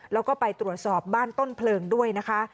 แล้วก็ไปตรวจสอบบ้านต้นเพลิงด้วยนะคะ